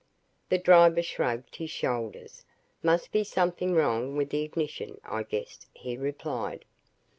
The driver shrugged his shoulders. "Must be something wrong with the ignition, I guess," he replied.